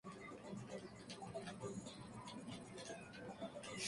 La artillería en esa región permaneció silenciosa y a un lado esa noche.